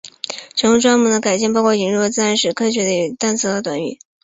其中专门的改进包括引入与自然史和科学有关的单词和短语。